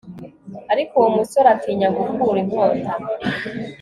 ariko uwo musore atinya gukura inkota